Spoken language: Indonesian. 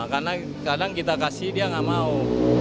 karena kadang kita kasih dia nggak mau